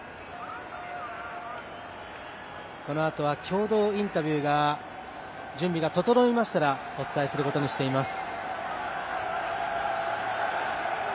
このあとは共同インタビューを準備が整いましたらお伝えすることにしています。